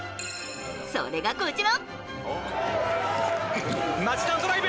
それが、こちら！